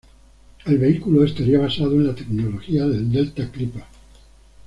El vehículo estaría basado en la tecnología del Delta Clipper.